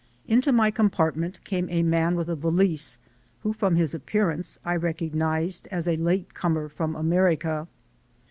Into my compartment came a man with a valise, who from his appearance I recognized as a late comer from America.